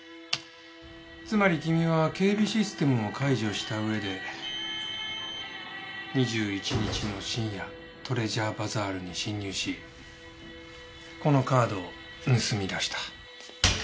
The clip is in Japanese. つまり君は警備システムも解除した上で２１日の深夜トレジャーバザールに侵入しこのカードを盗み出した。